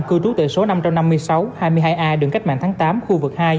cư trú tại số năm trăm năm mươi sáu hai mươi hai a đường cách mạng tháng tám khu vực hai